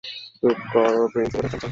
চুপ করো প্রিন্সিপালের চামচা।